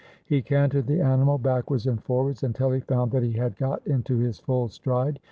He cantered the animal backwards and forwards until he found that he had got into his full stride.